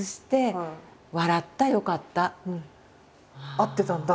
合ってたんだ。